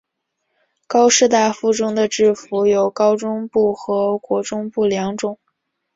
高师大附中的制服有高中部和国中部两种。